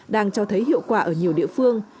đang cho thấy hiệu quả ở nhiều địa phương